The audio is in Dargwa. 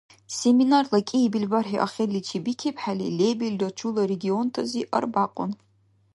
Семинарла кӀиибил бархӀи ахирличи бикибхӀели, лебилра чула регионтази арбякьун.